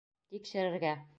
Тикшерергә.